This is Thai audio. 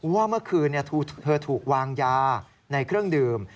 ว่าเมื่อคืนเธอถูกวางยาในเครื่องดื่ม